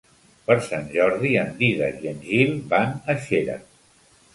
Per Sant Jordi en Dídac i en Gil van a Xera.